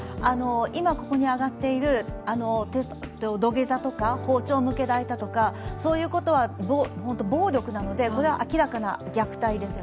今、ここに挙がっている土下座とか包丁を向けられたとかそういうことは暴力なのでこれは明らかな虐待です。